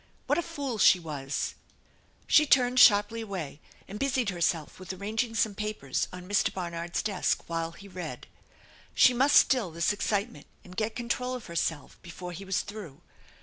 What a fool she was ! 186 THE ENCHANTED BARN 187 She turned sharply away and busied herself with arrang ing some papers on Mr. Barnard's desk while he read. She must still this excitement and get control of herself before he was through.